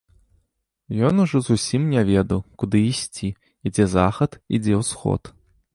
Ён ужо зусім не ведаў, куды ісці, і дзе захад, і дзе ўсход.